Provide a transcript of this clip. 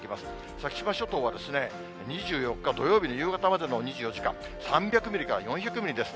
先島諸島は２４日土曜日の夕方までの２４時間、３００ミリから４００ミリです。